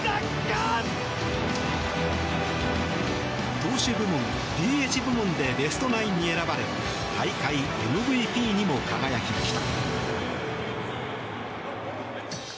投手部門、ＤＨ部門でベストナインに選ばれ大会ＭＶＰにも輝きました。